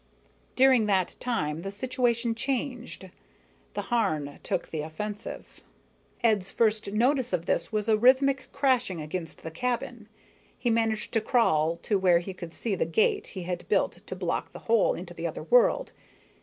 During that time, the situation changed. The Harn took the offensive. Ed's first notice of this was a rhythmic crashing outside the cabin. He managed to crawl to where he could see the gate he had built to block the hole into the other world.